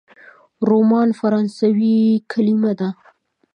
رومان فرانسوي کلمه ده.